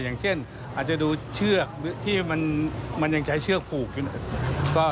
่ังเช่นอาจดูเชือกที่ยังใช้เชือกผูก